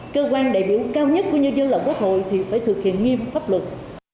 cơ quan đại biểu cao nhất của nhân dân là quốc hội thì phải thực hiện nghiêm pháp luật